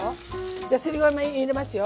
じゃあすりごま入れますよ。